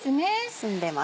澄んでます。